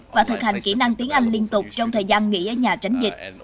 và thực hành kỹ năng tiếng anh liên tục trong thời gian nghỉ ở nhà tránh dịch